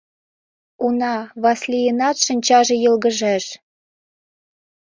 Уна, Васлийынат шинчаже йылгыжеш...